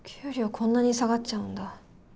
こんなに下がっちゃうんだ。